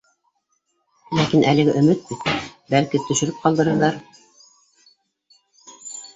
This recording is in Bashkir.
Ләкин әлеге өмөт бит, бәлки, төшөрөп ҡалдырырҙар